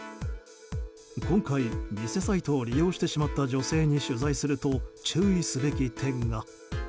今回、偽サイトを利用してしまった女性に取材すると注意すべき点が。